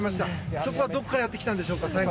そこはどこからやってきたんでしょうか？